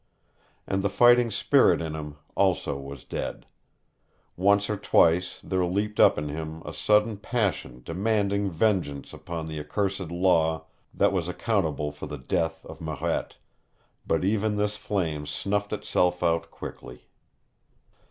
And the fighting spirit in him also was dead. Once or twice there leaped up in him a sudden passion demanding vengeance upon the accursed Law that was accountable for the death of Marette, but even this flame snuffed itself out quickly.